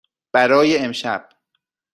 برای امشب.